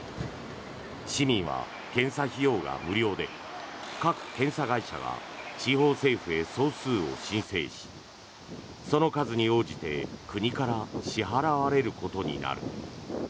市民は検査費用が無料で各検査会社が地方政府へ総数を申請しその数に応じて国から支払われることになる。